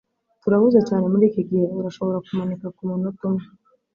Turahuze cyane muriki gihe. Urashobora kumanika kumunota umwe?